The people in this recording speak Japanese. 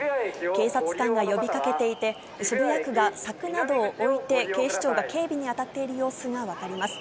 警察官が呼びかけていて、渋谷区が柵などを置いて、警視庁が警備に当たっている様子が分かります。